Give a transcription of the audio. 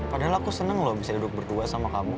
padahal aku seneng loh bisa duduk berdua sama kamu